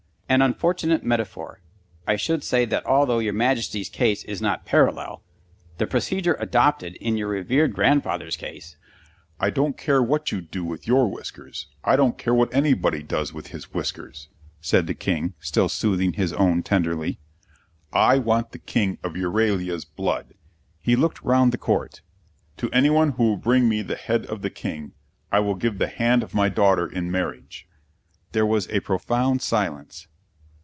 "An unfortunate metaphor; I should say that although your Majesty's case is not parallel, the procedure adopted in your revered grandfather's case " "I don't care what you do with your whiskers; I don't care what anybody does with his whiskers," said the King, still soothing his own tenderly; "I want the King of Euralia's blood." He looked round the Court. "To any one who will bring me the head of the King, I will give the hand of my daughter in marriage." There was a profound silence.